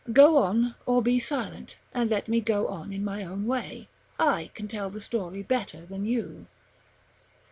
Go on; or be silent, and let me go on in my own way. I can tell the story better than you."